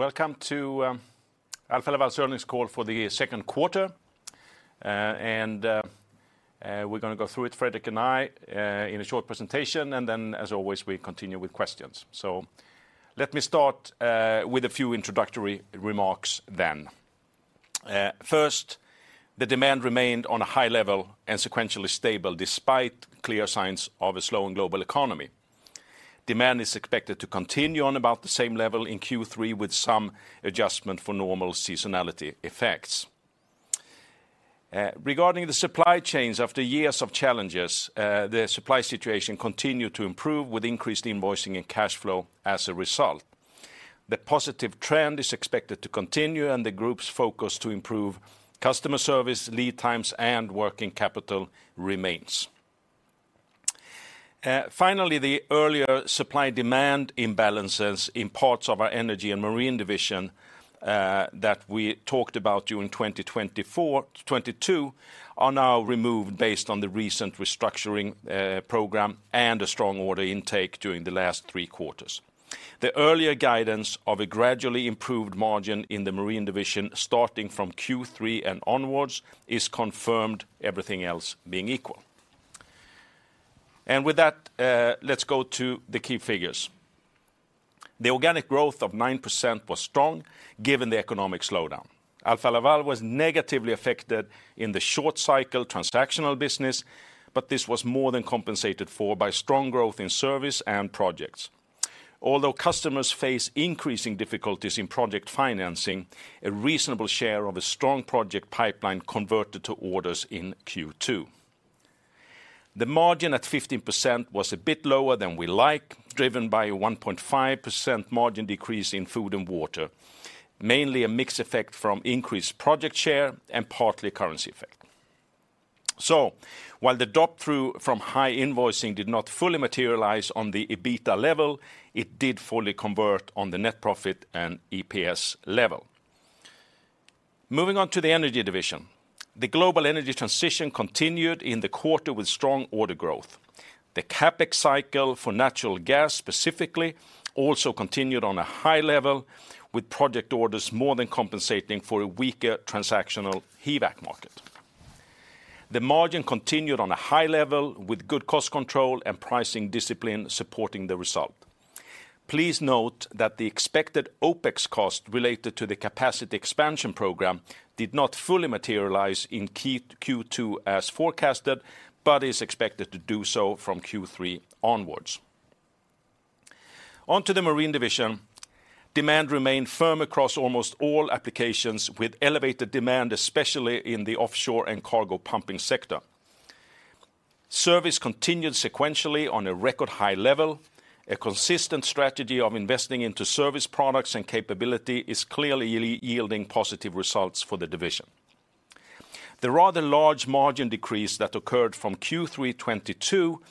Welcome to Alfa Laval's earnings call for the Q2. We're going to go through it, Fredrik and I, in a short presentation, and then, as always, we continue with questions. Let me start with a few introductory remarks then. First, the demand remained on a high level and sequentially stable, despite clear signs of a slowing global economy. Demand is expected to continue on about the same level in Q3, with some adjustment for normal seasonality effects. Regarding the supply chains, after years of challenges, the supply situation continued to improve, with increased invoicing and cash flow as a result. The positive trend is expected to continue, and the group's focus to improve customer service, lead times, and working capital remains. Finally, the earlier supply-demand imbalances in parts of our energy and marine division, that we talked about during 2022, are now removed based on the recent restructuring program and a strong order intake during the last three quarters. The earlier guidance of a gradually improved margin in the marine division, starting from Q3 and onwards, is confirmed, everything else being equal. With that, let's go to the key figures. The organic growth of 9% was strong, given the economic slowdown. Alfa Laval was negatively affected in the short cycle transactional business, but this was more than compensated for by strong growth in service and projects. Although customers face increasing difficulties in project financing, a reasonable share of a strong project pipeline converted to orders in Q2. The margin at 15% was a bit lower than we like, driven by a 1.5% margin decrease in Food & Water, mainly a mix effect from increased project share and partly currency effect. While the drop-through from high invoicing did not fully materialize on the EBITDA level, it did fully convert on the net profit and EPS level. Moving on to the energy division. The global energy transition continued in the quarter with strong order growth. The CapEx cycle for natural gas, specifically, also continued on a high level, with project orders more than compensating for a weaker transactional HVAC market. The margin continued on a high level, with good cost control and pricing discipline supporting the result. Please note that the expected OpEx cost related to the capacity expansion program did not fully materialize in key Q2 as forecasted, but is expected to do so from Q3 onwards. On to the marine division, demand remained firm across almost all applications, with elevated demand, especially in the offshore and cargo pumping sector. Service continued sequentially on a record high level. A consistent strategy of investing into service products and capability is clearly yielding positive results for the division. The rather large margin decrease that occurred from Q3 2022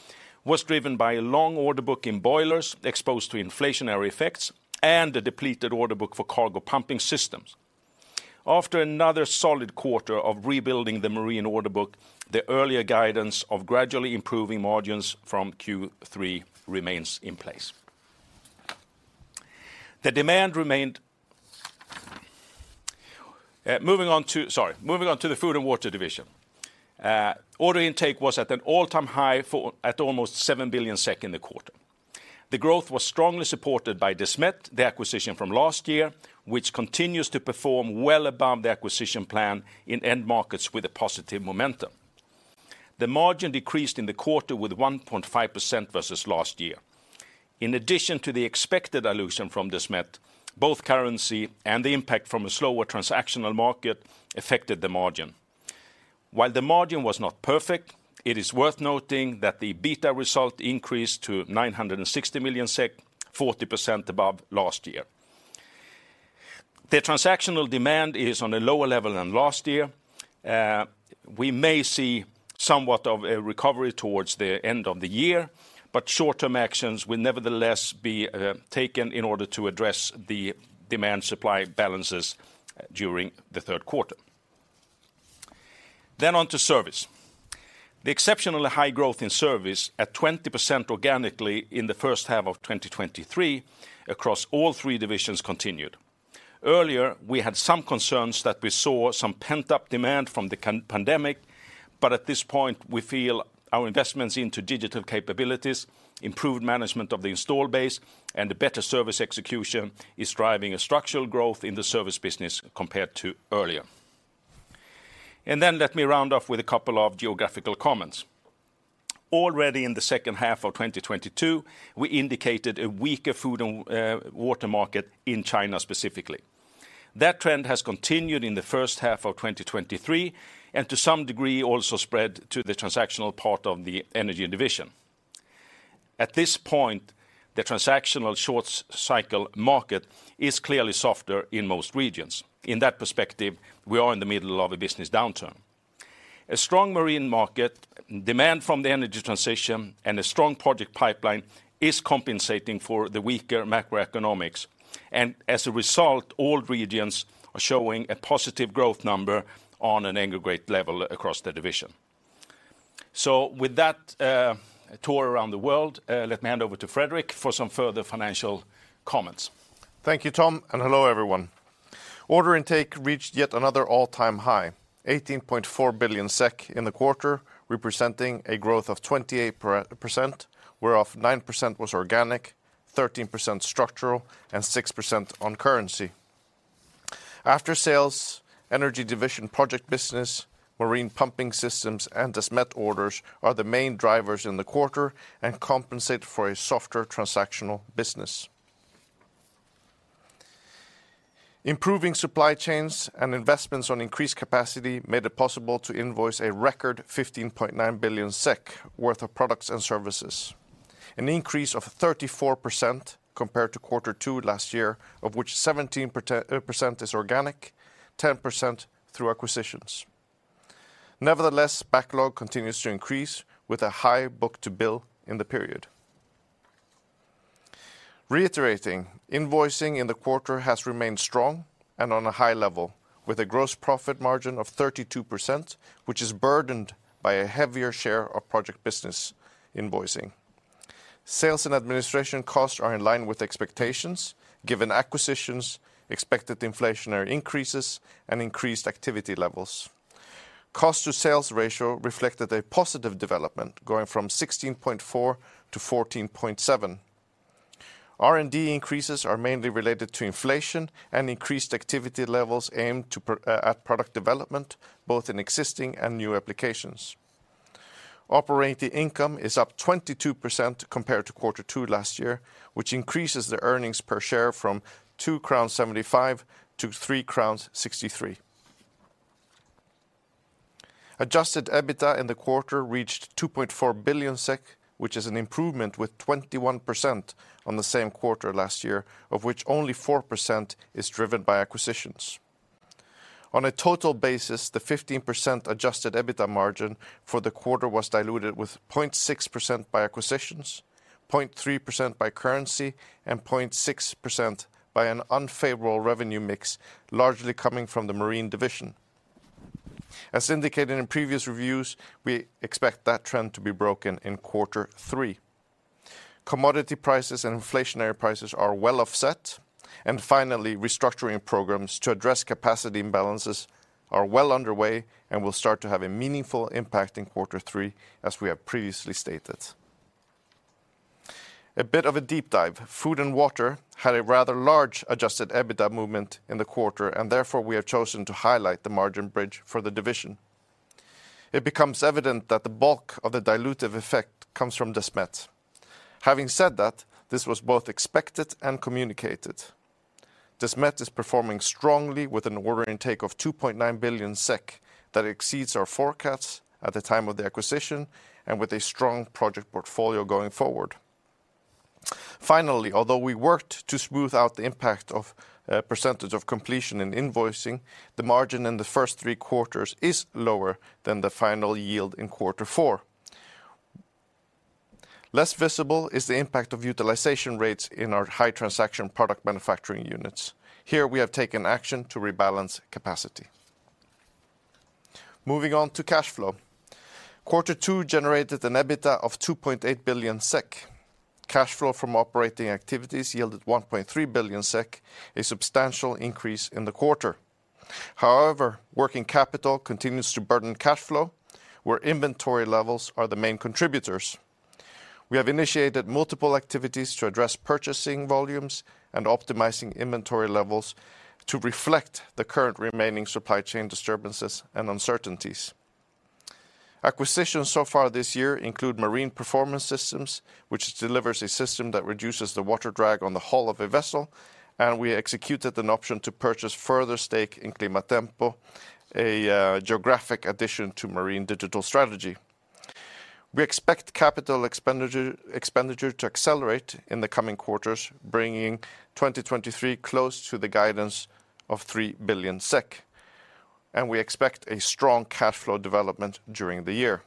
was driven by a long order book in boilers exposed to inflationary effects and a depleted order book for cargo pumping systems. After another solid quarter of rebuilding the marine order book, the earlier guidance of gradually improving margins from Q3 remains in place. The demand remained. Sorry. Moving on to the food and water division. Order intake was at an all-time high for, at almost 7 billion SEK in the quarter. The growth was strongly supported by Desmet, the acquisition from last year, which continues to perform well above the acquisition plan in end markets with a positive momentum. The margin decreased in the quarter with 1.5% versus last year. In addition to the expected dilution from Desmet, both currency and the impact from a slower transactional market affected the margin. While the margin was not perfect, it is worth noting that the EBITA result increased to 960 million SEK, 40% above last year. The transactional demand is on a lower level than last year. We may see somewhat of a recovery towards the end of the year, but short-term actions will nevertheless be taken in order to address the demand-supply balances during the Q3. On to service. The exceptionally high growth in service, at 20% organically in the H1 of 2023, across all three divisions, continued. Earlier, we had some concerns that we saw some pent-up demand from the pandemic, but at this point, we feel our investments into digital capabilities, improved management of the install base, and a better service execution is driving a structural growth in the service business compared to earlier. Let me round off with a couple of geographical comments. Already in the H2 of 2022, we indicated a weaker food and water market in China, specifically. That trend has continued in the H1 of 2023, and to some degree, also spread to the transactional part of the energy division. At this point, the transactional short-cycle market is clearly softer in most regions. In that perspective, we are in the middle of a business downturn. A strong marine market, demand from the energy transition, and a strong project pipeline is compensating for the weaker macroeconomics. As a result, all regions are showing a positive growth number on an aggregate level across the division. With that tour around the world, let me hand over to Fredrik for some further financial comments. Thank you, Tom. Hello, everyone. Order intake reached yet another all-time high, 18.4 billion SEK in the quarter, representing a growth of 28%, whereof 9% was organic, 13% structural, and 6% on currency. Aftersales, energy division, project business, marine pumping systems, and Desmet orders are the main drivers in the quarter and compensate for a softer transactional business. Improving supply chains and investments on increased capacity made it possible to invoice a record 15.9 billion SEK worth of products and services, an increase of 34% compared to quarter two last year, of which 17% is organic, 10% through acquisitions. Nevertheless, backlog continues to increase with a high book-to-bill in the period. Reiterating, invoicing in the quarter has remained strong and on a high level, with a gross profit margin of 32%, which is burdened by a heavier share of project business invoicing. Sales and administration costs are in line with expectations, given acquisitions, expected inflationary increases, and increased activity levels. Cost to sales ratio reflected a positive development, going from 16.4-14.7. R&D increases are mainly related to inflation and increased activity levels aimed at product development, both in existing and new applications. Operating income is up 22% compared to quarter two last year, which increases the earnings per share from 2.75 crowns to 3.63 crowns. Adjusted EBITDA in the quarter reached 2.4 billion SEK, which is an improvement with 21% on the same quarter last year, of which only 4% is driven by acquisitions. On a total basis, the 15% adjusted EBITDA margin for the quarter was diluted with 0.6% by acquisitions, 0.3% by currency, and 0.6% by an unfavorable revenue mix, largely coming from the marine division. As indicated in previous reviews, we expect that trend to be broken in quarter three. Commodity prices and inflationary prices are well offset. Finally, restructuring programs to address capacity imbalances are well underway and will start to have a meaningful impact in quarter three, as we have previously stated. A bit of a deep dive. Food and water had a rather large adjusted EBITDA movement in the quarter. Therefore, we have chosen to highlight the margin bridge for the division. It becomes evident that the bulk of the dilutive effect comes from Desmet. Having said that, this was both expected and communicated. Desmet is performing strongly with an order intake of 2.9 billion SEK that exceeds our forecasts at the time of the acquisition, and with a strong project portfolio going forward. Finally, although we worked to smooth out the impact of percentage of completion in invoicing, the margin in the first three quarters is lower than the final yield in quarter four. Less visible is the impact of utilization rates in our high transaction product manufacturing units. Here, we have taken action to rebalance capacity. Moving on to cash flow. Quarter two generated an EBITDA of 2.8 billion SEK. Cash flow from operating activities yielded 1.3 billion SEK, a substantial increase in the quarter. However, working capital continues to burden cash flow, where inventory levels are the main contributors. We have initiated multiple activities to address purchasing volumes and optimizing inventory levels to reflect the current remaining supply chain disturbances and uncertainties. Acquisitions so far this year include Marine Performance Systems, which delivers a system that reduces the water drag on the hull of a vessel, and we executed an option to purchase further stake in Climatempo, a geographic addition to marine digital strategy. We expect capital expenditure to accelerate in the coming quarters, bringing 2023 close to the guidance of 3 billion SEK, and we expect a strong cash flow development during the year.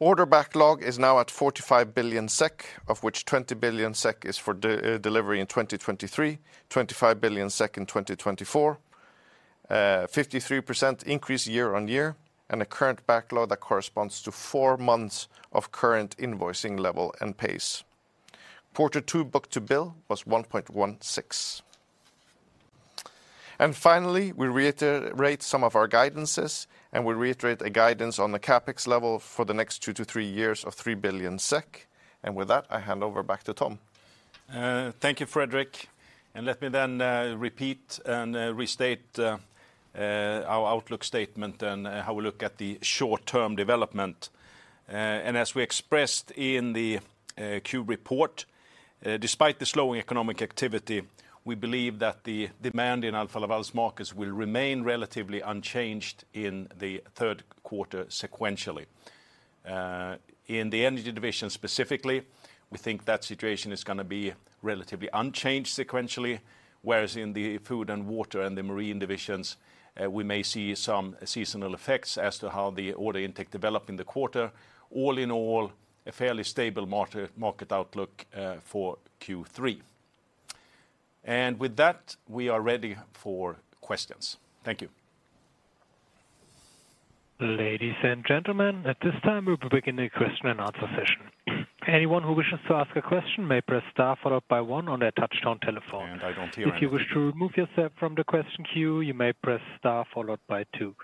Order backlog is now at 45 billion SEK, of which 20 billion SEK is for delivery in 2023, 25 billion SEK in 2024, a 53% increase year-on-year, and a current backlog that corresponds to four months of current invoicing level and pace. Q2 book-to-bill was 1.16. Finally, we reiterate some of our guidances, and we reiterate a guidance on the CapEx level for the next 2-3 years of 3 billion SEK. With that, I hand over back to Tom. Thank you, Fredrik. Let me then repeat and restate our outlook statement and how we look at the short-term development. As we expressed in the Q report, despite the slowing economic activity, we believe that the demand in Alfa Laval's markets will remain relatively unchanged in the third quarter sequentially. In the energy division, specifically, we think that situation is going to be relatively unchanged sequentially, whereas in the food and water and the marine divisions, we may see some seasonal effects as to how the order intake develop in the quarter. All in all, a fairly stable market outlook for Q3. With that, we are ready for questions. Thank you. Ladies and gentlemen, at this time, we will begin the question and answer session. Anyone who wishes to ask a question may press star followed by one on their touchtone telephone. I don't hear anything. If you wish to remove yourself from the question queue, you may press star followed by two.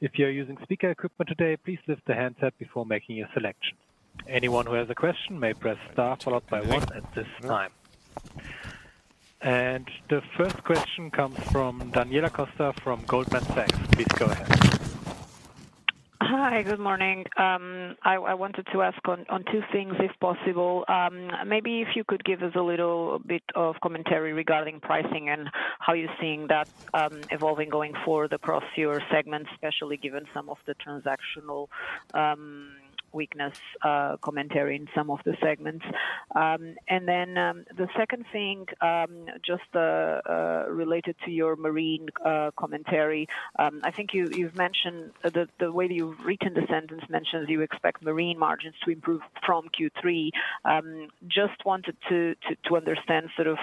If you're using speaker equipment today, please lift the handset before making a selection. Anyone who has a question may press star followed by one at this time. The first question comes from Daniela Costa from Goldman Sachs. Please go ahead. Hi, good morning. I wanted to ask on two things, if possible. Maybe if you could give us a little bit of commentary regarding pricing and how you're seeing that evolving going forward across your segments, especially given some of the transactional weakness commentary in some of the segments. The second thing just related to your Marine commentary. I think you've mentioned the way that you've written the sentence mentions you expect Marine margins to improve from Q3. Just wanted to understand sort of,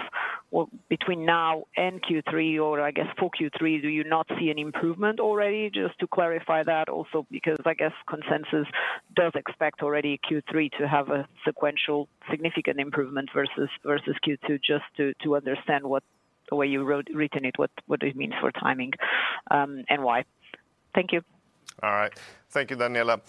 well, between now and Q3, or I guess for Q3, do you not see an improvement already? Just to clarify that also, because I guess consensus does expect already Q3 to have a sequential significant improvement versus Q2, just to understand the way you written it, what it means for timing, and why. Thank you. All right. Thank you, Daniela.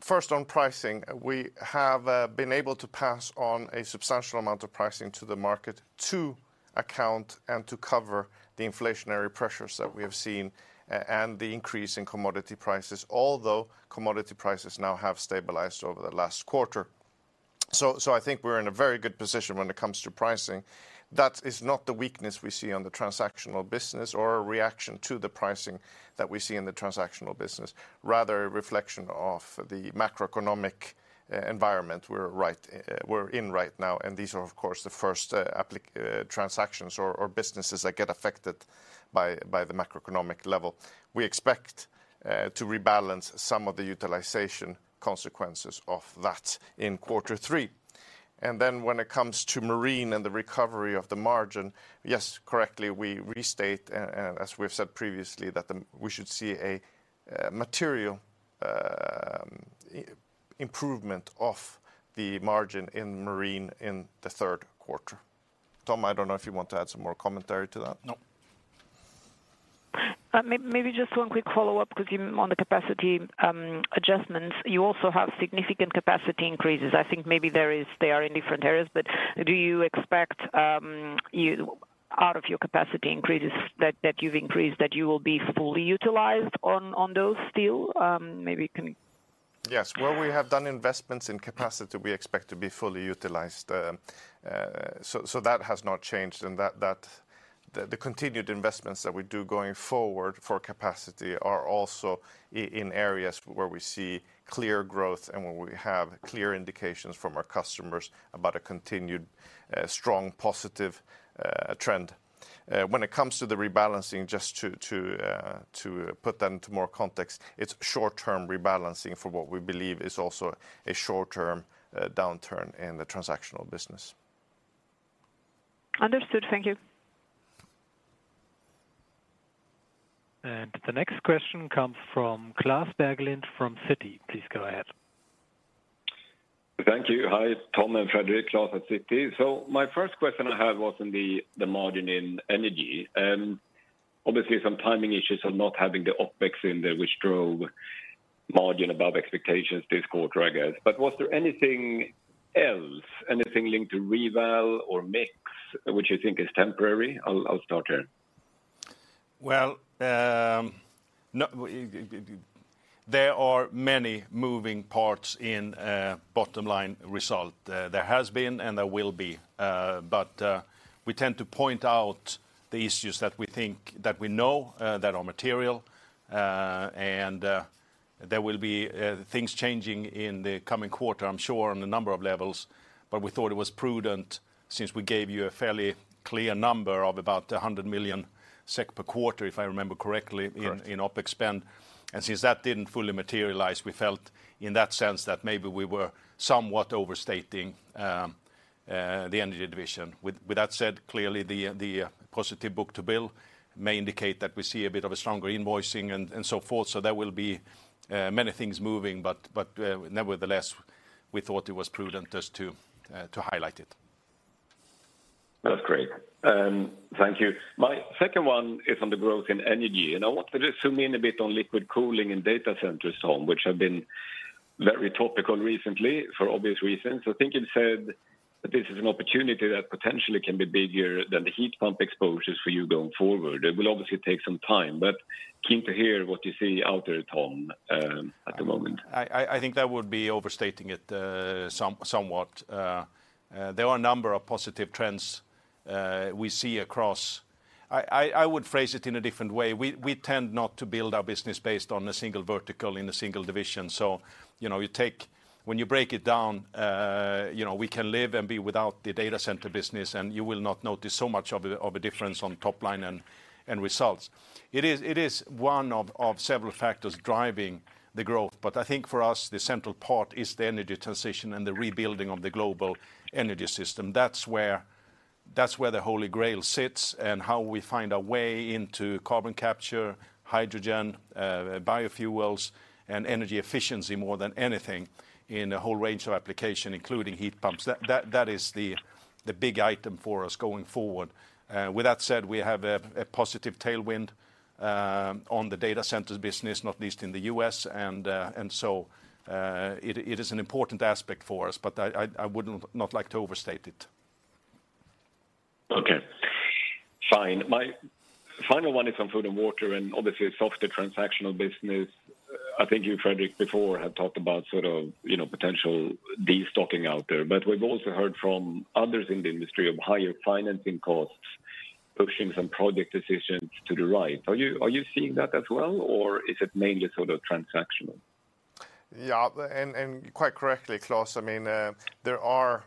First on pricing, we have been able to pass on a substantial amount of pricing to the market to account and to cover the inflationary pressures that we have seen, and the increase in commodity prices, although commodity prices now have stabilized over the last quarter. I think we're in a very good position when it comes to pricing. That is not the weakness we see on the transactional business or a reaction to the pricing that we see in the transactional business, rather a reflection of the macroeconomic environment we're in right now. These are, of course, the first transactions or businesses that get affected by the macroeconomic level. We expect to rebalance some of the utilization consequences of that in quarter three. When it comes to marine and the recovery of the margin, yes, correctly, we restate, as we've said previously, that we should see a material improvement of the margin in marine in the Q3 Tom, I don't know if you want to add some more commentary to that? No. Maybe just one quick follow-up, because on the capacity adjustments, you also have significant capacity increases. I think maybe they are in different areas, but do you expect out of your capacity increases, that you've increased, that you will be fully utilized on those still? Well, we have done investments in capacity we expect to be fully utilized. So that has not changed, and that the continued investments that we do going forward for capacity are also in areas where we see clear growth and where we have clear indications from our customers about a continued, strong, positive, trend. When it comes to the rebalancing, just to put that into more context, it's short-term rebalancing for what we believe is also a short-term downturn in the transactional business. Understood. Thank you. The next question comes from Klas Berglund, from Citi. Please go ahead. Thank you. Hi, Tom and Fredrik, Claes at Citi. My first question I had was on the margin in energy. Obviously, some timing issues on not having the OpEx in there, which drove margin above expectations this quarter, I guess. Was there anything else, anything linked to reval or mix, which you think is temporary? I'll start here. Well, no, there are many moving parts in a bottom-line result. There has been, and there will be. We tend to point out the issues that we think, that we know, that are material. There will be things changing in the coming quarter, I'm sure, on a number of levels. We thought it was prudent, since we gave you a fairly clear number of about 100 million SEK per quarter, if I remember correctly. Correct... in OpEx spend. Since that didn't fully materialize, we felt in that sense, that maybe we were somewhat overstating the energy division. With that said, clearly, the positive book-to-bill may indicate that we see a bit of a stronger invoicing and so forth. There will be many things moving, but, nevertheless, we thought it was prudent just to highlight it. That's great. Thank you. My second one is on the growth in energy. I want to just zoom in a bit on liquid cooling and data centers, Tom, which have been very topical recently for obvious reasons. I think you said that this is an opportunity that potentially can be bigger than the heat pump exposures for you going forward. It will obviously take some time, but keen to hear what you see out there, Tom, at the moment. I think that would be overstating it, somewhat. There are a number of positive trends we see across. I would phrase it in a different way. We tend not to build our business based on a single vertical in a single division. You know, when you break it down, you know, we can live and be without the data center business, and you will not notice so much of a difference on top line and results. It is one of several factors driving the growth, but I think for us, the central part is the energy transition and the rebuilding of the global energy system. That's where the Holy Grail sits, and how we find our way into carbon capture, hydrogen, biofuels, and energy efficiency more than anything in a whole range of application, including heat pumps. That is the big item for us going forward. With that said, we have a positive tailwind on the data centers business, not least in the U.S., and so it is an important aspect for us, but I would not like to overstate it. Okay. Fine. My final one is on food and water, and obviously, a softer transactional business. I think you, Fredrik, before, have talked about sort of, you know, potential destocking out there. We've also heard from others in the industry of higher financing costs, pushing some project decisions to the right. Are you seeing that as well, or is it mainly sort of transactional? Yeah, and quite correctly, Claus. I mean, there are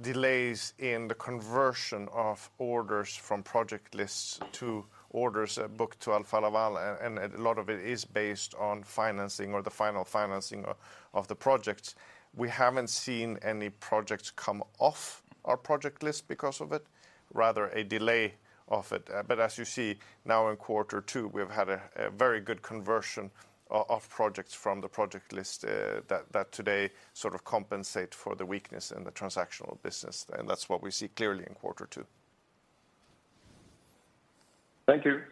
delays in the conversion of orders from project lists to orders booked to Alfa Laval. A lot of it is based on financing or the final financing of the projects. We haven't seen any projects come off our project list because of it, rather a delay of it. As you see now in Q2, we've had a very good conversion of projects from the project list, that today sort of compensate for the weakness in the transactional business. That's what we see clearly in Q2. Thank you.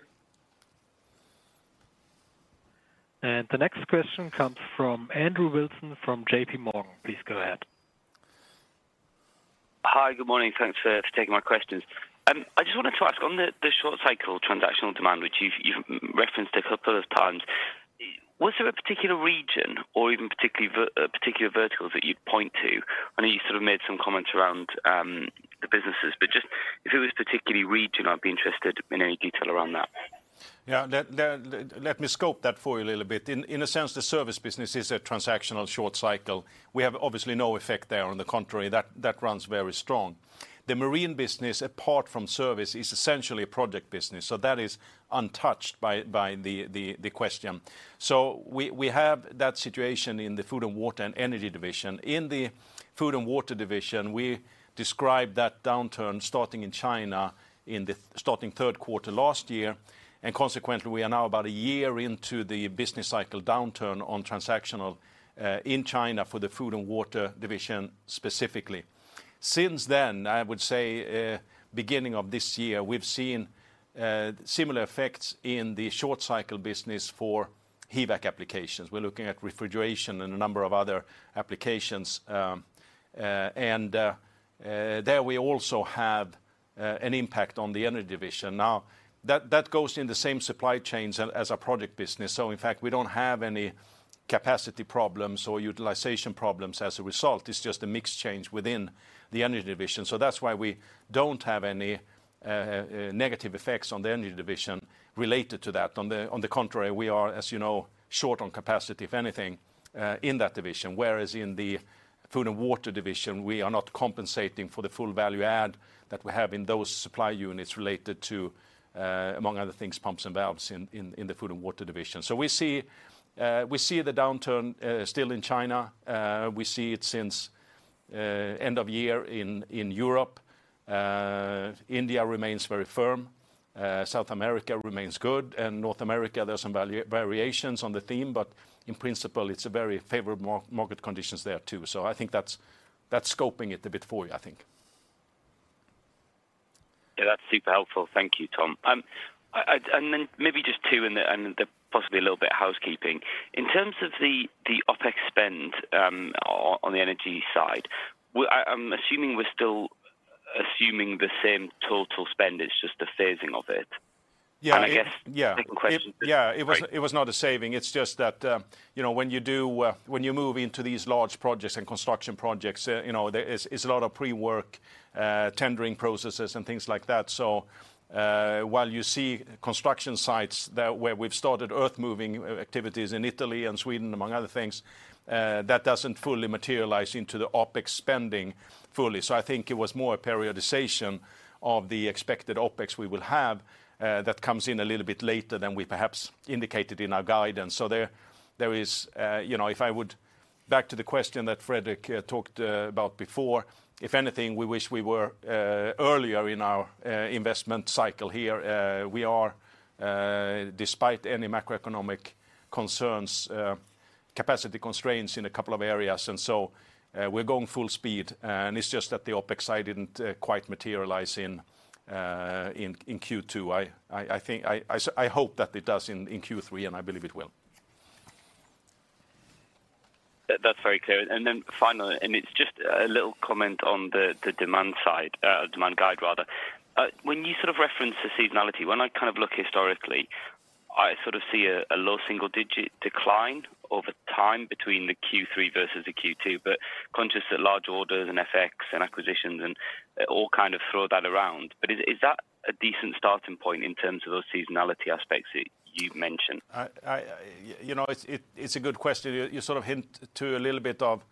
The next question comes from Andrew Wilson, from JPMorgan. Please go ahead. Hi, good morning. Thanks for taking my questions. I just wanted to ask, on the short cycle transactional demand, which you've referenced a couple of times, was there a particular region or even particularly particular verticals that you'd point to? I know you sort of made some comments around the businesses, but just if it was particularly region, I'd be interested in any detail around that. Yeah, let me scope that for you a little bit. In a sense, the service business is a transactional short cycle. We have obviously no effect there. On the contrary, that runs very strong. The marine business, apart from service, is essentially a project business, so that is untouched by the question. We have that situation in the Food & Water and Energy Division. In the Food & Water Division, we describe that downturn starting in China, starting Q3 last year, and consequently, we are now about a year into the business cycle downturn on transactional in China for the Food & Water Division, specifically. Since then, I would say, beginning of this year, we've seen similar effects in the short cycle business for HVAC applications. We're looking at refrigeration and a number of other applications, and there we also have an impact on the Energy Division. That goes in the same supply chains as a project business, so in fact, we don't have any capacity problems or utilization problems as a result. It's just a mix change within the Energy Division. That's why we don't have any negative effects on the Energy Division related to that. On the contrary, we are, as you know, short on capacity, if anything, in that division, whereas in the Food & Water Division, we are not compensating for the full value add that we have in those supply units related to among other things, pumps and valves in the Food & Water Division. We see, we see the downturn, still in China. We see it since end of year in Europe. India remains very firm, South America remains good, and North America, there are some variations on the theme, but in principle, it's a very favorable market conditions there, too. I think that's scoping it a bit for you, I think. Yeah, that's super helpful. Thank you, Tom. Then maybe just 2, and then possibly a little bit of housekeeping. In terms of the OpEx spend, on the energy side, I'm assuming we're still assuming the same total spend, it's just the phasing of it. Yeah. And I guess- Yeah. Second question. Yeah. Great. It was not a saving, it's just that, you know, when you do, when you move into these large projects and construction projects, you know, there is, it's a lot of pre-work, tendering processes and things like that. While you see construction sites that, where we've started earth-moving activities in Italy and Sweden, among other things, that doesn't fully materialize into the OpEx spending fully. I think it was more a periodization of the expected OpEx we will have, that comes in a little bit later than we perhaps indicated in our guidance. There is, you know, back to the question that Fredrik talked about before, if anything, we wish we were earlier in our investment cycle here. We are, despite any macroeconomic concerns, capacity constraints in a couple of areas. We're going full speed. It's just that the OpEx side didn't quite materialize in Q2. I think, I hope that it does in Q3. I believe it will. That's very clear. Then finally, and it's just a little comment on the demand side, demand guide, rather. When you sort of reference the seasonality, when I kind of look historically, I sort of see a low single-digit decline over time between the Q3 versus the Q2, but conscious that large orders and FX and acquisitions and all kind of throw that around. Is that a decent starting point in terms of those seasonality aspects that you've mentioned? I, you know, it's a good question. You sort of hint to a little bit of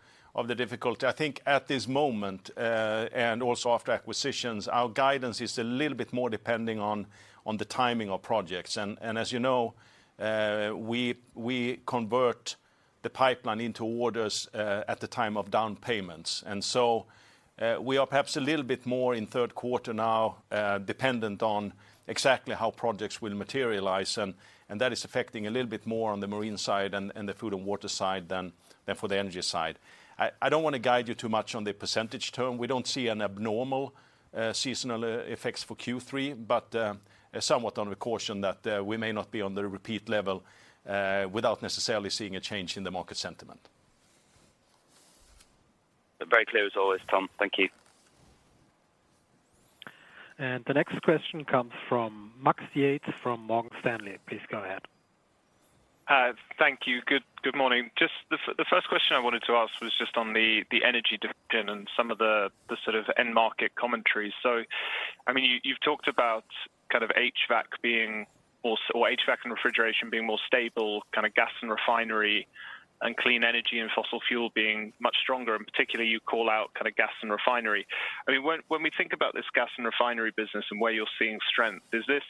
the difficulty. I think at this moment, and also after acquisitions, our guidance is a little bit more depending on the timing of projects. As you know, we convert the pipeline into orders at the time of down payments. So, we are perhaps a little bit more in third quarter now, dependent on exactly how projects will materialize, and that is affecting a little bit more on the Marine side and the Food & Water side than for the Energy side. I don't want to guide you too much on the percentage term. We don't see an abnormal, seasonal, effects for Q3, but, somewhat on the caution that, we may not be on the repeat level, without necessarily seeing a change in the market sentiment. Very clear as always, Tom. Thank you. The next question comes from Max Yates from Morgan Stanley. Please go ahead. Thank you. Good morning. Just the first question I wanted to ask was just on the energy division and some of the sort of end market commentary. I mean, you've talked about kind of HVAC or HVAC and refrigeration being more stable, kind of gas and refinery, and clean energy and fossil fuel being much stronger, and particularly, you call out kind of gas and refinery. I mean, when we think about this gas and refinery business and where you're seeing strength, is this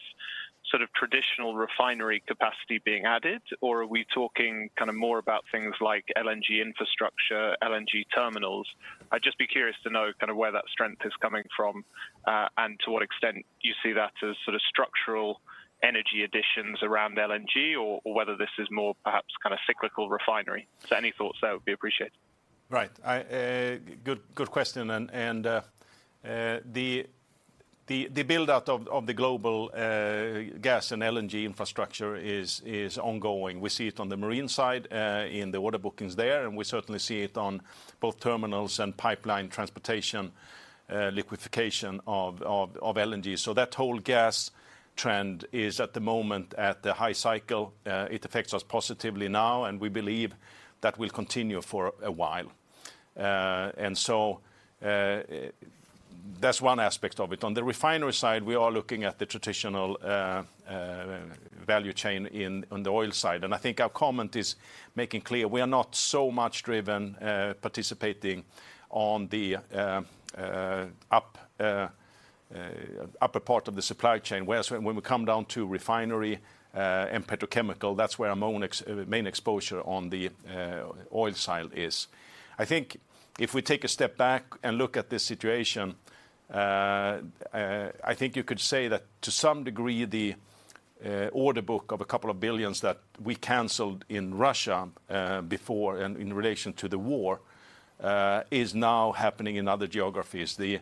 sort of traditional refinery capacity being added? Are we talking kind of more about things like LNG infrastructure, LNG terminals? I'd just be curious to know kind of where that strength is coming from, and to what extent do you see that as sort of structural energy additions around LNG, or whether this is more perhaps kind of cyclical refinery. Any thoughts there would be appreciated. Right. I, good question. The build-out of the global gas and LNG infrastructure is ongoing. We see it on the marine side, in the order bookings there, and we certainly see it on both terminals and pipeline transportation, liquification of LNG. That whole gas trend is, at the moment, at the high cycle. It affects us positively now, and we believe that will continue for a while. That's one aspect of it. On the refinery side, we are looking at the traditional value chain on the oil side, and I think our comment is making clear we are not so much driven, participating on the upper part of the supply chain. When we come down to refinery, and petrochemical, that's where our main exposure on the oil side is. If we take a step back and look at this situation, I think you could say that to some degree, the order book of a couple of billions that we canceled in Russia before, and in relation to the war, is now happening in other geographies. The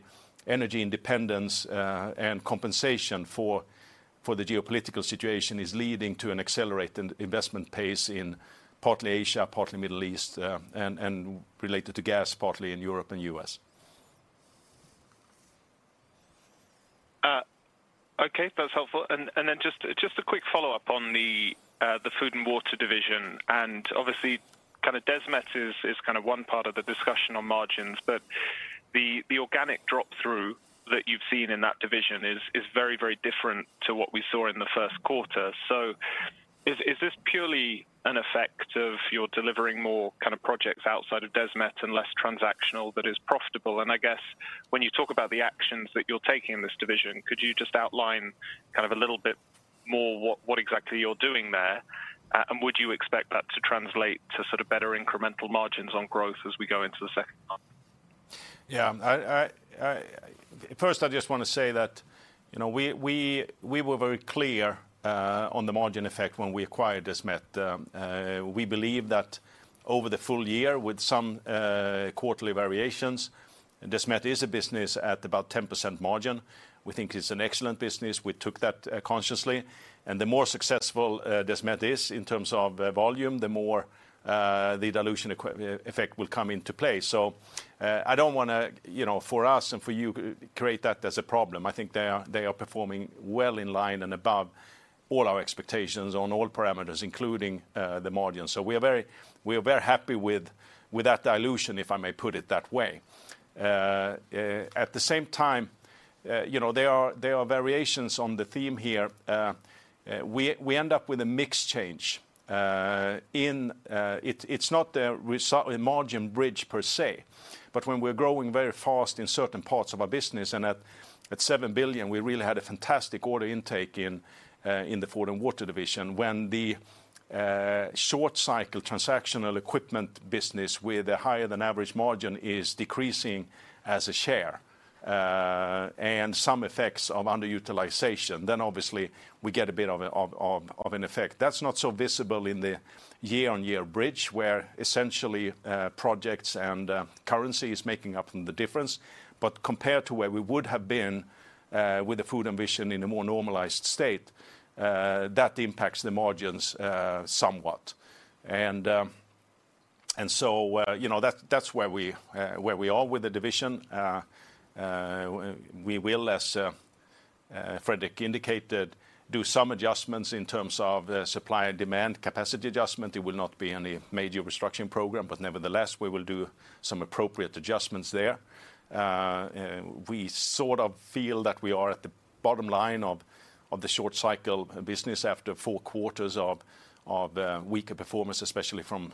energy independence and compensation for the geopolitical situation is leading to an accelerated investment pace in partly Asia, partly Middle East, and related to gas, partly in Europe and U.S. Okay, that's helpful. Then just a quick follow-up on the Food & Water Division, and obviously, kind of Desmet is kind of one part of the discussion on margins, but the organic drop through that you've seen in that division is very, very different to what we saw in the Q1. Is this purely an effect of you're delivering more kind of projects outside of Desmet and less transactional, but is profitable? I guess when you talk about the actions that you're taking in this division, could you just outline kind of a little bit more what exactly you're doing there? Would you expect that to translate to sort of better incremental margins on growth as we go into the second half? Yeah. First, I just want to say that, you know, we were very clear on the margin effect when we acquired Desmet. We believe that over the full year, with some quarterly variations, Desmet is a business at about 10% margin. We think it's an excellent business. We took that consciously, and the more successful Desmet is in terms of volume, the more the dilution effect will come into play. I don't want to, you know, for us and for you, create that as a problem. I think they are performing well in line and above all our expectations on all parameters, including the margin. We are very happy with that dilution, if I may put it that way. At the same time, you know, there are variations on the theme here. We end up with a mix change in. It's not a margin bridge per se, but when we're growing very fast in certain parts of our business, and at 7 billion, we really had a fantastic order intake in the food and water division. When the short cycle transactional equipment business with a higher than average margin is decreasing as a share, and some effects of underutilization, then obviously we get a bit of an effect. That's not so visible in the year-on-year bridge, where essentially, projects and currency is making up on the difference. Compared to where we would have been with the food ambition in a more normalized state, that impacts the margins somewhat. You know, that's where we are with the division. We will, as Fredrik indicated, do some adjustments in terms of the supply and demand, capacity adjustment. It will not be any major restructuring program, but nevertheless, we will do some appropriate adjustments there. We sort of feel that we are at the bottom line of the short cycle business after four quarters of weaker performance, especially from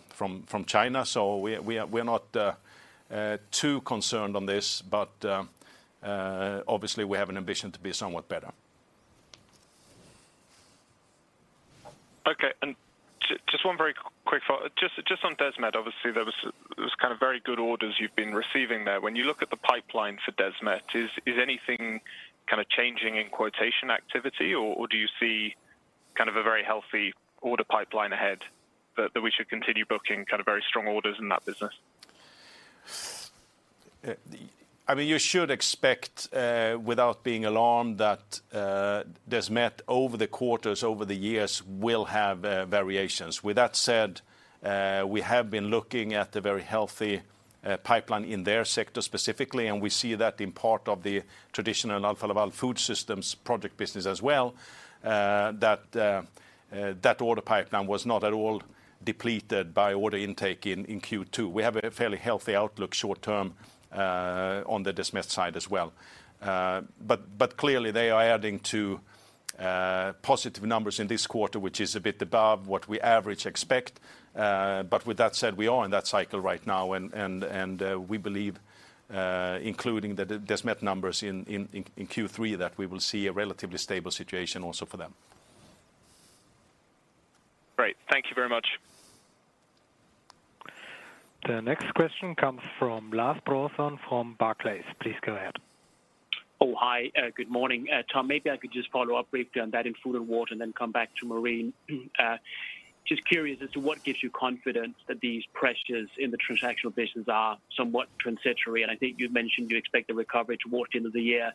China. We are not too concerned on this, but obviously, we have an ambition to be somewhat better. Okay, just one very quick follow. Just on Desmet, obviously, there was those kind of very good orders you've been receiving there. When you look at the pipeline for Desmet, is anything kind of changing in quotation activity, or do you see kind of a very healthy order pipeline ahead, that we should continue booking kind of very strong orders in that business? I mean, you should expect, without being alarmed, that Desmet, over the quarters, over the years, will have variations. With that said, we have been looking at the very healthy pipeline in their sector specifically, and we see that in part of the traditional Alfa Laval Food Systems project business as well, that order pipeline was not at all depleted by order intake in Q2. We have a fairly healthy outlook short term on Desmet side as well. Clearly they are adding to positive numbers in this quarter, which is a bit above what we average expect. With that said, we are in that cycle right now, and we believe, including the Desmet numbers in Q3, that we will see a relatively stable situation also for them. Great. Thank you very much. The next question comes from Lars Brorson from Barclays. Please go ahead. Hi. Good morning. Tom, maybe I could just follow up briefly on that in Food & Water, and then come back to Marine. Just curious as to what gives you confidence that these pressures in the transactional business are somewhat transitory? I think you'd mentioned you expect a recovery towards the end of the year.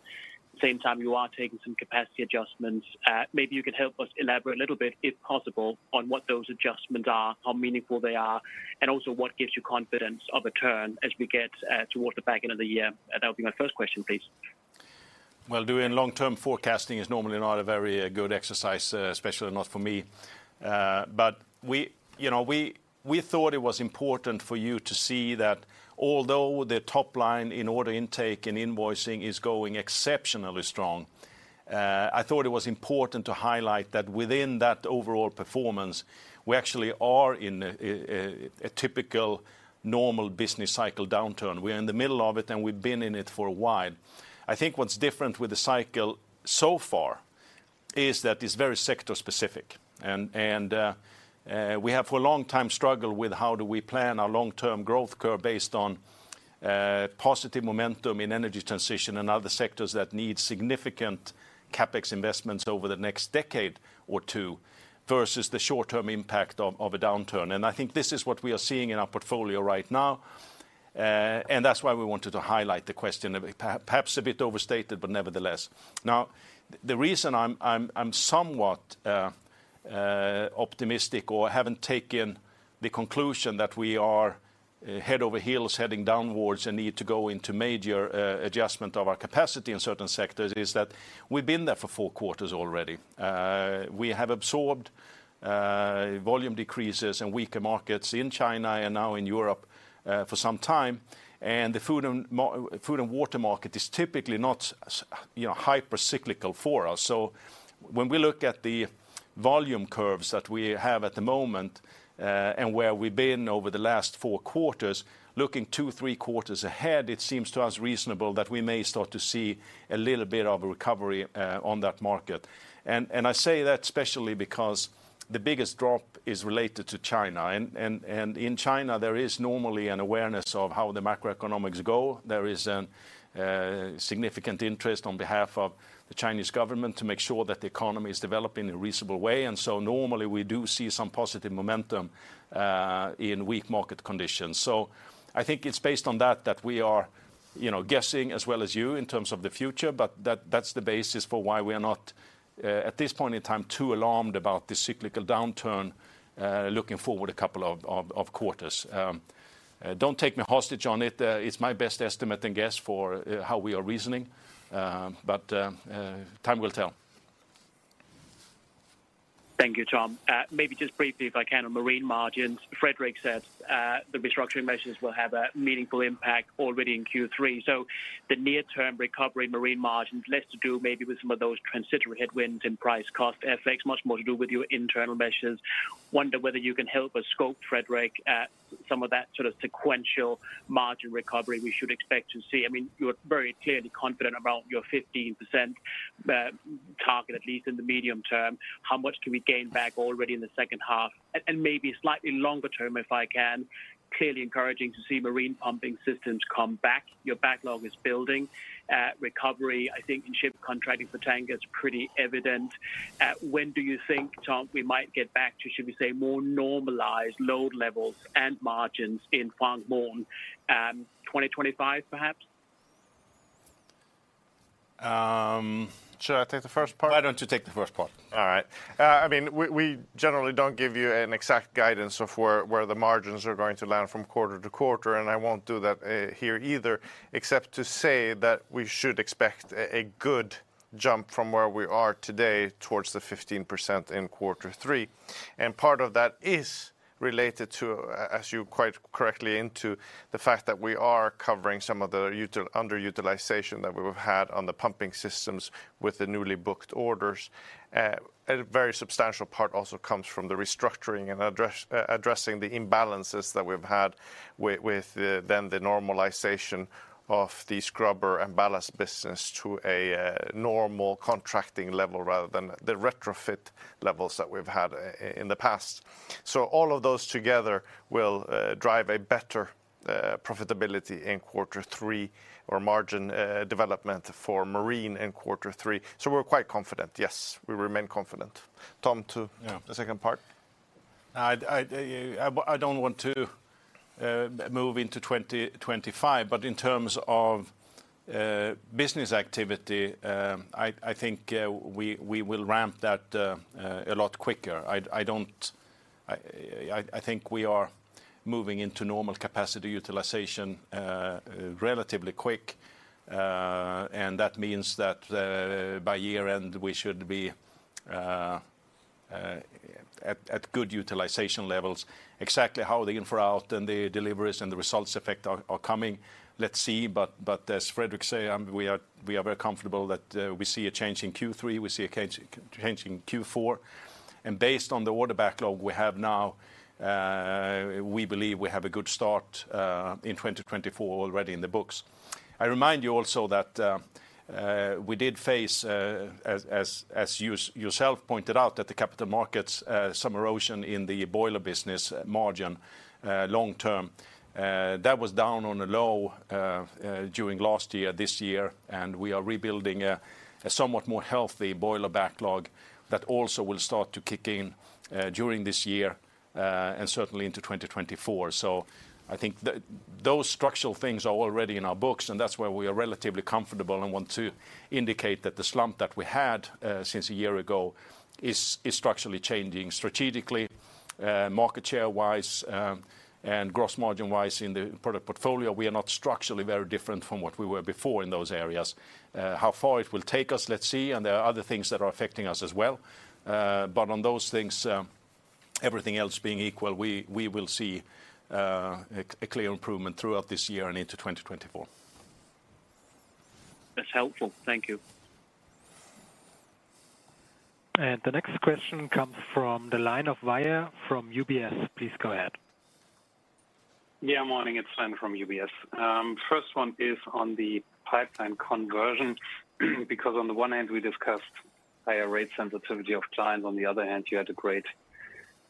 Same time, you are taking some capacity adjustments. Maybe you could help us elaborate a little bit, if possible, on what those adjustments are, how meaningful they are, and also what gives you confidence of a turn as we get towards the back end of the year? That will be my first question, please. Well, doing long-term forecasting is normally not a very good exercise, especially not for me. We, you know, we thought it was important for you to see that although the top line in order intake and invoicing is going exceptionally strong, I thought it was important to highlight that within that overall performance, we actually are in a typical normal business cycle downturn. We're in the middle of it, and we've been in it for a while. I think what's different with the cycle so far is that it's very sector specific, and we have for a long time struggled with how do we plan our long-term growth curve based on positive momentum in energy transition and other sectors that need significant CapEx investments over the next decade or two, versus the short-term impact of a downturn? I think this is what we are seeing in our portfolio right now, and that's why we wanted to highlight the question. Perhaps a bit overstated, but nevertheless. The reason I'm, I'm somewhat optimistic, or haven't taken the conclusion that we are head over heels, heading downwards and need to go into major adjustment of our capacity in certain sectors, is that we've been there for four quarters already. We have absorbed volume decreases and weaker markets in China and now in Europe for some time, and the food and water market is typically not you know, hyper cyclical for us. When we look at the volume curves that we have at the moment, and where we've been over the last 4 quarters, looking 2, 3 quarters ahead, it seems to us reasonable that we may start to see a little bit of a recovery on that market. I say that especially because the biggest drop is related to China, and in China, there is normally an awareness of how the macroeconomics go. There is a significant interest on behalf of the Chinese government to make sure that the economy is developing in a reasonable way. Normally, we do see some positive momentum in weak market conditions. I think it's based on that we are, you know, guessing as well as you in terms of the future, but that's the basis for why we are not at this point in time, too alarmed about the cyclical downturn, looking forward a couple of quarters. Don't take me hostage on it. It's my best estimate and guess for how we are reasoning, but time will tell. Thank you, Tom. Maybe just briefly, if I can, on Marine margins. Fredrik says the restructuring measures will have a meaningful impact already in Q3. The near-term recovery Marine margins, less to do maybe with some of those transitory headwinds in price cost effects, much more to do with your internal measures. I wonder whether you can help us scope, Fredrik, some of that sort of sequential margin recovery we should expect to see. I mean, you're very clearly confident about your 15% target, at least in the medium term. How much can we gain back already in the second half? Maybe slightly longer term, if I can, clearly encouraging to see Marine pumping systems come back. Your backlog is building. Recovery, I think, in ship contracting for tanker is pretty evident. When do you think, Tom, we might get back to, should we say, more normalized load levels and margins in Framo? 2025, perhaps? Should I take the first part? Why don't you take the first part? All right. I mean, we generally don't give you an exact guidance of where the margins are going to land from quarter to quarter, and I won't do that here either, except to say that we should expect a good jump from where we are today towards the 15% in Q3. Part of that is related to, as you quite correctly into, the fact that we are covering some of the underutilization that we've had on the pumping systems with the newly booked orders. A very substantial part also comes from the restructuring and addressing the imbalances that we've had with the, then the normalization of the PureSOx and PureBallast business to a normal contracting level, rather than the retrofit levels that we've had in the past. All of those together will drive a better profitability in quarter three, or margin development for Marine in Q3. We're quite confident. Yes, we remain confident. Tom. Yeah. The second part? I don't want to move into 2025, but in terms of business activity, I think we will ramp that a lot quicker. I don't think we are moving into normal capacity utilization relatively quick. That means that by year end, we should be at good utilization levels. Exactly how the infra out and the deliveries and the results effect are coming, let's see, but as Fredrik say, we are very comfortable that we see a change in Q3, we see a change in Q4, and based on the order backlog we have now, we believe we have a good start in 2024 already in the books. I remind you also that we did face, as you, yourself pointed out, that the capital markets, some erosion in the boiler business margin, long term. That was down on a low during last year, this year, and we are rebuilding a somewhat more healthy boiler backlog that also will start to kick in during this year, and certainly into 2024. I think those structural things are already in our books, and that's where we are relatively comfortable and want to indicate that the slump that we had, since a year ago is structurally changing strategically, market share-wise, and gross margin-wise in the product portfolio. We are not structurally very different from what we were before in those areas. How far it will take us, let's see, and there are other things that are affecting us as well. On those things, everything else being equal, we will see a clear improvement throughout this year and into 2024. That's helpful. Thank you. The next question comes from the line of Layla, from UBS. Please go ahead. Yeah, morning, it's Sven from UBS. First one is on the pipeline conversion, because on the one hand we discussed higher rate sensitivity of clients, on the other hand, you had a great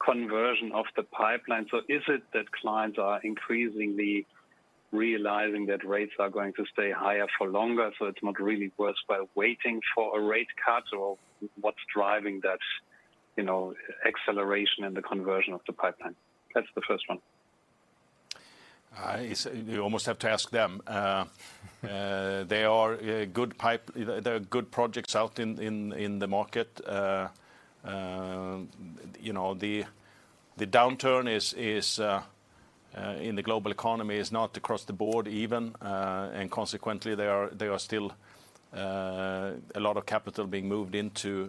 conversion of the pipeline. Is it that clients are increasingly realizing that rates are going to stay higher for longer, so it's not really worth by waiting for a rate cut, or what's driving that, you know, acceleration and the conversion of the pipeline? That's the first one. You almost have to ask them. There are good projects out in the market. You know, the downturn is in the global economy is not across the board even, consequently, there are still a lot of capital being moved into,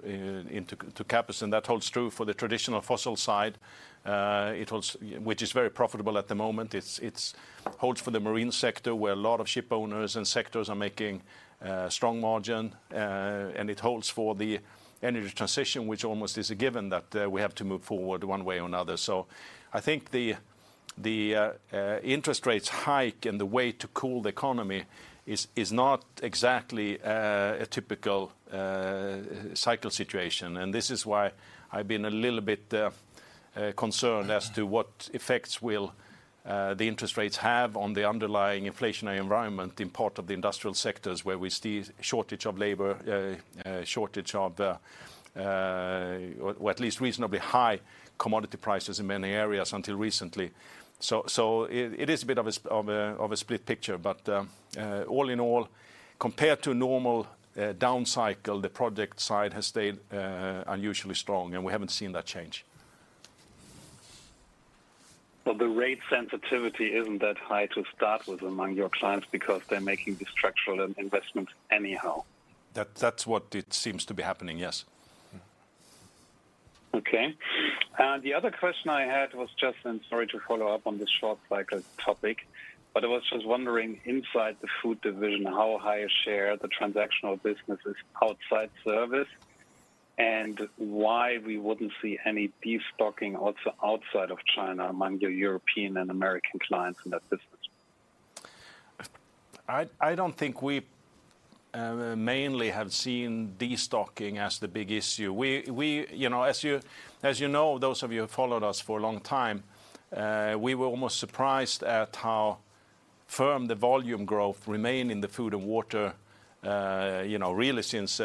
to capital. That holds true for the traditional fossil side. Which is very profitable at the moment. It's holds for the marine sector, where a lot of shipowners and sectors are making strong margin. It holds for the energy transition, which almost is a given that we have to move forward one way or another. I think the interest rates hike and the way to cool the economy is not exactly a typical cycle situation. This is why I've been a little bit concerned as to what effects will the interest rates have on the underlying inflationary environment in part of the industrial sectors, where we see shortage of labor, shortage of, or at least reasonably high commodity prices in many areas until recently. It is a bit of a split picture, but all in all, compared to normal down cycle, the project side has stayed unusually strong, and we haven't seen that change. The rate sensitivity isn't that high to start with among your clients because they're making the structural investments anyhow. That's what it seems to be happening, yes. Okay. The other question I had was just, and sorry to follow up on this short cycle topic, but I was just wondering inside the food division, how high a share the transactional business is outside service, and why we wouldn't see any destocking also outside of China, among your European and American clients in that business? I don't think we mainly have seen destocking as the big issue. We you know, as you, as you know, those of you who have followed us for a long time, we were almost surprised at how firm the volume growth remained in the food and water, you know, really since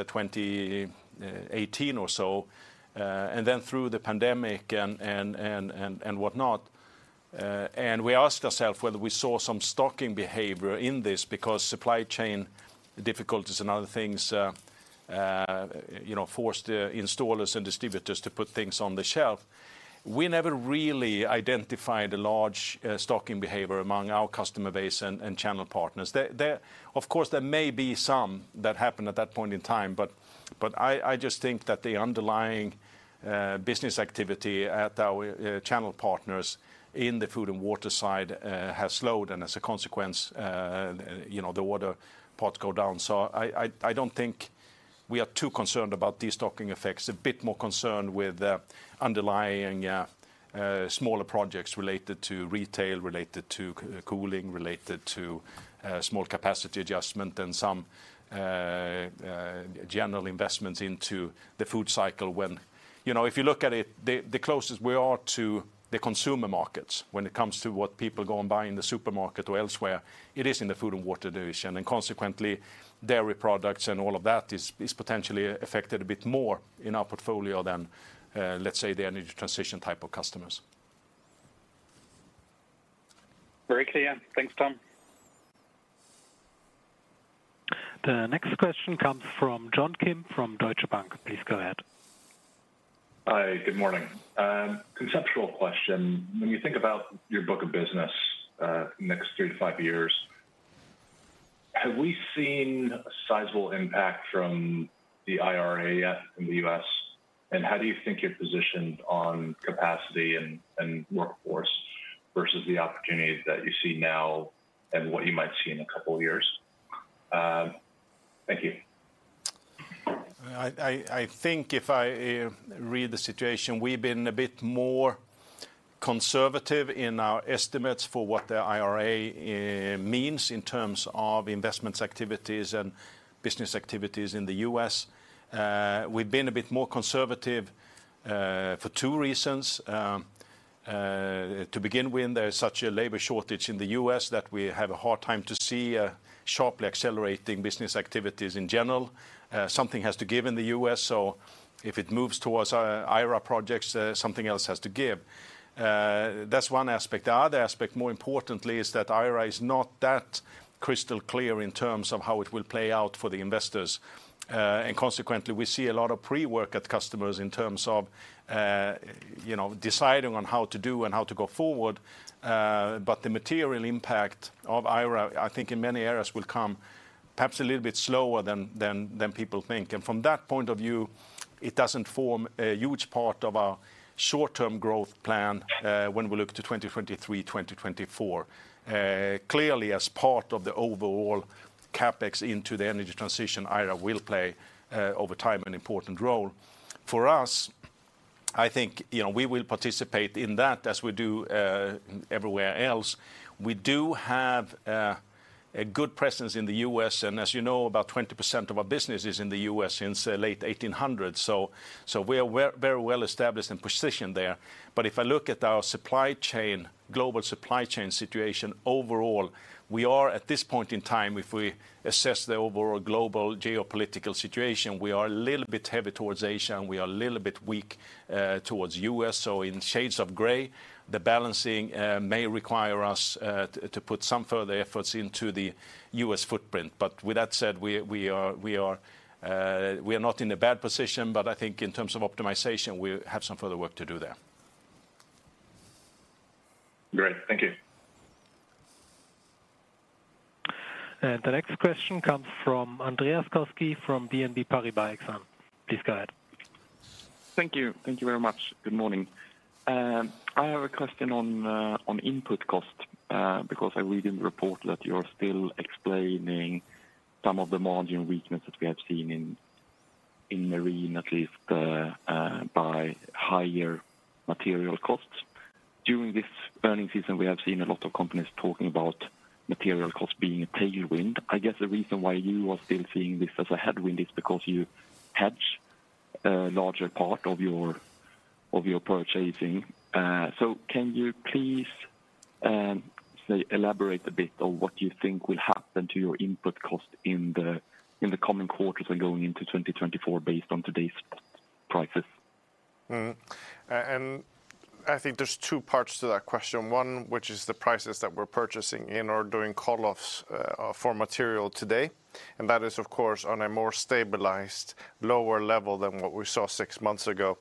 2018 or so, and then through the pandemic and whatnot. We asked ourselves whether we saw some stocking behavior in this, because supply chain difficulties and other things, you know, forced installers and distributors to put things on the shelf. We never really identified a large stocking behavior among our customer base and channel partners. There of course, there may be some that happened at that point in time, but I just think that the underlying business activity at our channel partners in the food and water side has slowed, and as a consequence, you know, the water parts go down. I don't think we are too concerned about destocking effects, a bit more concerned with the underlying smaller projects related to retail, related to cooling, related to small capacity adjustment, and some general investments into the food cycle. You know, if you look at it, the closest we are to the consumer markets when it comes to what people go and buy in the supermarket or elsewhere, it is in the food and water division, and consequently, dairy products and all of that is potentially affected a bit more in our portfolio than, let's say, the energy transition type of customers. Very clear. Thanks, Tom. The next question comes from Johan Dahl from Deutsche Bank. Please go ahead. Hi, good morning. Conceptual question: when you think about your book of business, next 3-5 years, have we seen a sizable impact from the IRA yet in the U.S.? How do you think you're positioned on capacity and workforce versus the opportunities that you see now and what you might see in a couple of years? Thank you. I think if I read the situation, we've been a bit more conservative in our estimates for what the IRA means in terms of investments activities and business activities in the U.S. We've been a bit more conservative for two reasons. To begin with, there is such a labor shortage in the U.S. that we have a hard time to see sharply accelerating business activities in general. Something has to give in the U.S. If it moves towards IRA projects, something else has to give. That's one aspect. The other aspect, more importantly, is that IRA is not that crystal clear in terms of how it will play out for the investors. Consequently, we see a lot of pre-work at customers in terms of, you know, deciding on how to do and how to go forward. The material impact of IRA, I think in many areas will come perhaps a little bit slower than people think. From that point of view, it doesn't form a huge part of our short-term growth plan. Yeah When we look to 2023, 2024. Clearly, as part of the overall CapEx into the energy transition, IRA will play, over time, an important role. For us, I think, you know, we will participate in that as we do everywhere else. We do have a good presence in the U.S., and as you know, about 20% of our business is in the U.S. since late 1800s, so we are very well established and positioned there. If I look at our supply chain, global supply chain situation, overall, we are, at this point in time, if we assess the overall global geopolitical situation, we are a little bit heavy towards Asia, and we are a little bit weak towards U.S. In shades of gray, the balancing may require us to put some further efforts into the U.S. footprint. With that said, we are not in a bad position, but I think in terms of optimization, we have some further work to do there. Great. Thank you. The next question comes from Andreas Koski from BNP Paribas Exane. Please go ahead. Thank you. Thank you very much. Good morning. I have a question on input cost, because I read in the report that you are still explaining some of the margin weakness that we have seen in Marine, at least, by higher material costs. During this earnings season, we have seen a lot of companies talking about material costs being a tailwind. I guess the reason why you are still seeing this as a headwind is because you hedge larger part of your, of your purchasing. Can you please elaborate a bit on what you think will happen to your input cost in the coming quarters and going into 2024 based on today's prices? I think there's two parts to that question. One, which is the prices that we're purchasing in or doing call-offs for material today, and that is, of course, on a more stabilized, lower level than what we saw six months ago.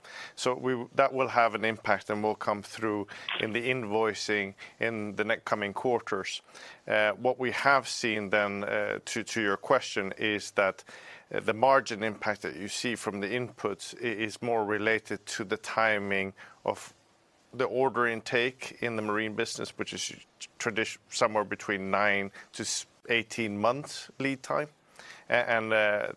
That will have an impact, and will come through in the invoicing in the next coming quarters. What we have seen then, to your question, is that the margin impact that you see from the inputs is more related to the timing of the order intake in the marine business, which is somewhere between 9-18 months lead time, and the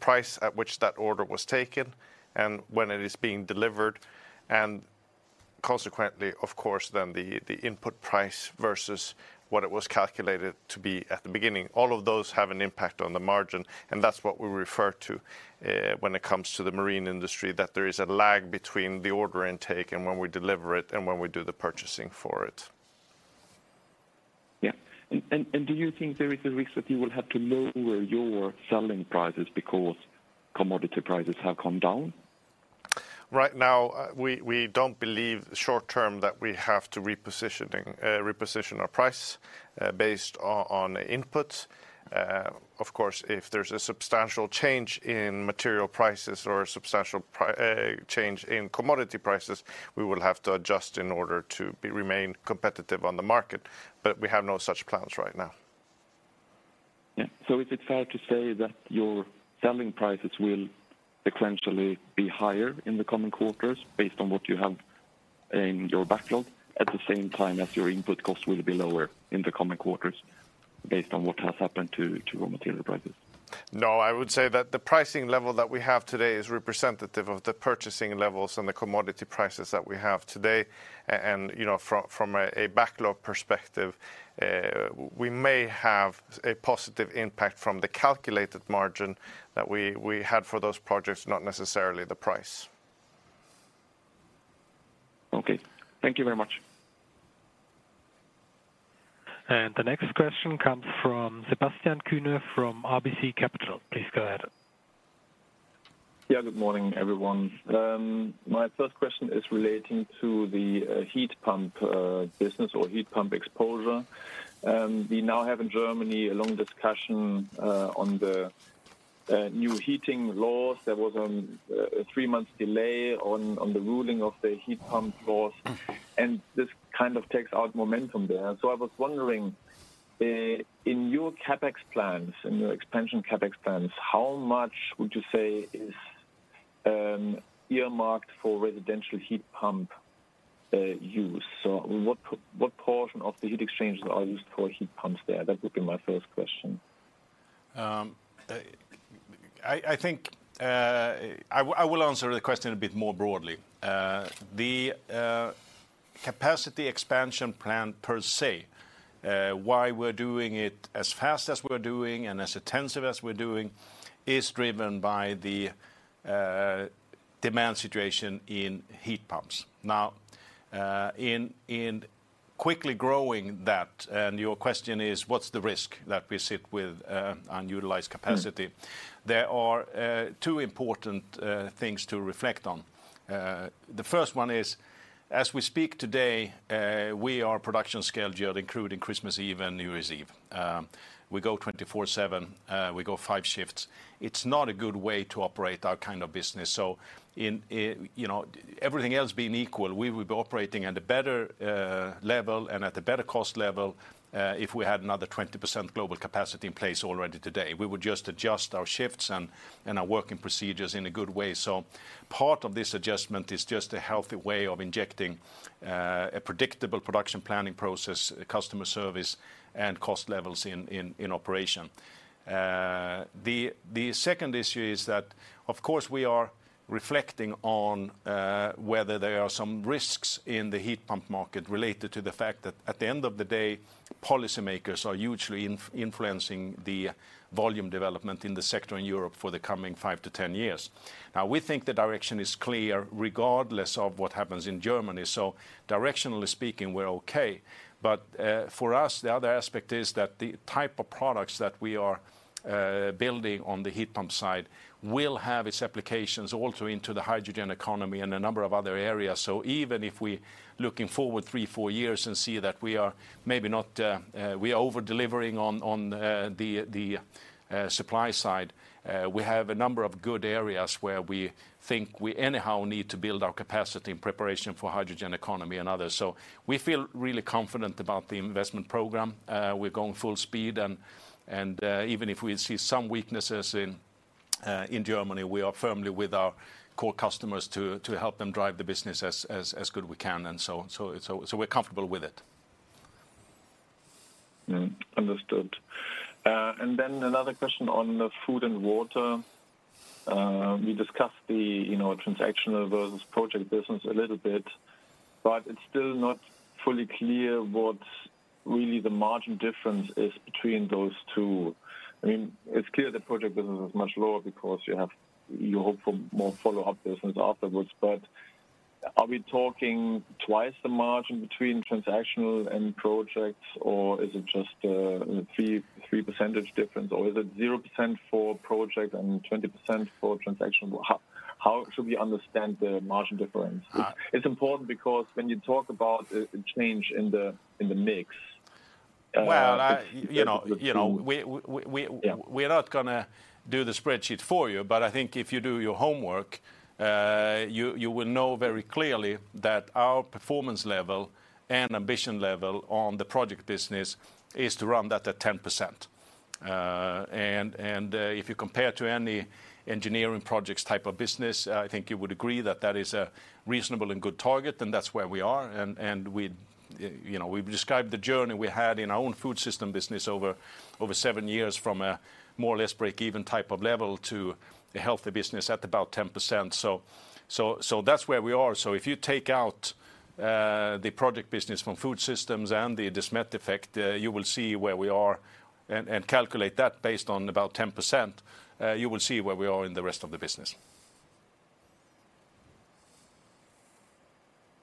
price at which that order was taken and when it is being delivered, and consequently, of course, the input price versus what it was calculated to be at the beginning. All of those have an impact on the margin, that's what we refer to when it comes to the marine industry, that there is a lag between the order intake and when we deliver it and when we do the purchasing for it. Yeah. Do you think there is a risk that you will have to lower your selling prices because commodity prices have come down? Right now, we don't believe short term that we have to reposition our price, based on input. If there's a substantial change in material prices or a substantial change in commodity prices, we will have to adjust in order to remain competitive on the market, but we have no such plans right now. Is it fair to say that your selling prices will sequentially be higher in the coming quarters based on what you have in your backlog, at the same time as your input costs will be lower in the coming quarters, based on what has happened to raw material prices? No, I would say that the pricing level that we have today is representative of the purchasing levels and the commodity prices that we have today. You know, from a backlog perspective, we may have a positive impact from the calculated margin that we had for those projects, not necessarily the price. Okay. Thank you very much. The next question comes from Sebastian Kuenne from RBC Capital. Please go ahead. Yeah, good morning, everyone. My first question is relating to the heat pump business or heat pump exposure. We now have in Germany a long discussion on the new heating laws. There was a 3-month delay on the ruling of the heat pump laws, and this kind of takes out momentum there. I was wondering, in your CapEx plans, in your expansion CapEx plans, how much would you say is earmarked for residential heat pump use? What portion of the heat exchangers are used for heat pumps there? That would be my first question. I think I will answer the question a bit more broadly. The capacity expansion plan per se, why we're doing it as fast as we're doing and as intensive as we're doing, is driven by the demand situation in heat pumps. In quickly growing that, and your question is, what's the risk that we sit with on utilized capacity? Mm. There are two important things to reflect on. The first one is, as we speak today, we are production scheduled, including Christmas Eve and New Year's Eve. We go 24/7, we go five shifts. It's not a good way to operate our kind of business, so in, you know, everything else being equal, we would be operating at a better level and at a better cost level, if we had another 20% global capacity in place already today. We would just adjust our shifts and our working procedures in a good way. Part of this adjustment is just a healthy way of injecting a predictable production planning process, customer service, and cost levels in operation. The second issue is that, of course, we are reflecting on whether there are some risks in the heat pump market related to the fact that at the end of the day, policymakers are hugely influencing the volume development in the sector in Europe for the coming 5-10 years. We think the direction is clear, regardless of what happens in Germany, so directionally speaking, we're okay. For us, the other aspect is that the type of products that we are building on the heat pump side, will have its applications also into the hydrogen economy and a number of other areas. Even if we looking forward 3-4 years and see that we are maybe not... We are over-delivering on the supply side, we have a number of good areas where we think we anyhow need to build our capacity in preparation for hydrogen economy and others. We feel really confident about the investment program. We're going full speed, and even if we see some weaknesses in Germany, we are firmly with our core customers to help them drive the business as good as we can, and so on. We're comfortable with it. Understood. Another question on the food and water. We discussed the, you know, transactional versus project business a little bit, but it's still not fully clear what really the margin difference is between those two. I mean, it's clear the project business is much lower because you have, you hope for more follow-up business afterwards, but are we talking twice the margin between transactional and projects, or is it just a 3% difference? Or is it 0% for project and 20% for transactional? How should we understand the margin difference? Uh- It's important because when you talk about a change in the mix, the two- Well, I, you know, we. Yeah. We're not gonna do the spreadsheet for you. I think if you do your homework, you will know very clearly that our performance level and ambition level on the project business is to run that at 10%. If you compare to any engineering projects type of business, I think you would agree that that is a reasonable and good target. That's where we are. We, you know, we've described the journey we had in our own Food Systems business over 7 years from a more or less break-even type of level to a healthy business at about 10%. That's where we are. If you take out the project business from Food Systems and the Desmet effect, you will see where we are, and calculate that based on about 10%, you will see where we are in the rest of the business.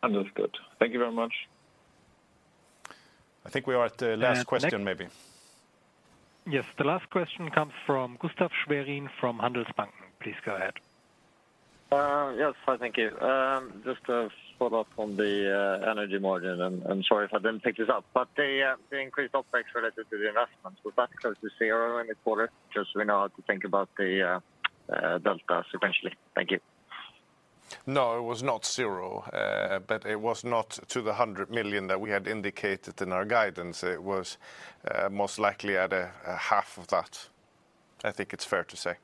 Understood. Thank you very much. I think we are at the last question, maybe. Next? Yes, the last question comes from Gustaf Schwerin, from Handelsbanken. Please go ahead. Yes, fine, thank you. Just to follow up on the energy margin, and, I'm sorry if I didn't pick this up, but the increased OpEx related to the investment, was that close to zero in the quarter? Just so we know how to think about the delta sequentially. Thank you. No, it was not zero. It was not to the 100 million that we had indicated in our guidance. It was most likely at a half of that, I think it's fair to say.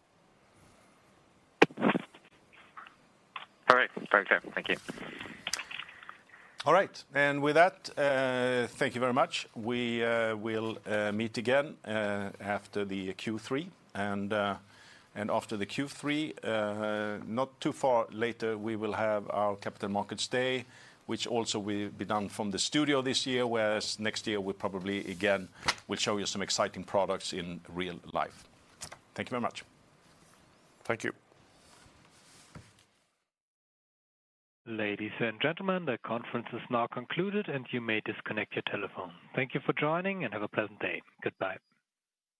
All right, very clear. Thank you. All right, and with that, thank you very much. We will meet again after the Q3. After the Q3, not too far later, we will have our capital markets day, which also will be done from the studio this year, whereas next year we probably, again, will show you some exciting products in real life. Thank you very much. Thank you. Ladies and gentlemen, the conference is now concluded, and you may disconnect your telephone. Thank you for joining, and have a pleasant day. Goodbye.